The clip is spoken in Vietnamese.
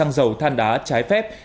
xăng dầu thàn đá trái phép